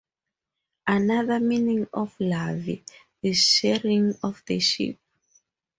Another meaning of Lavi is ""Shearing of the Sheep"".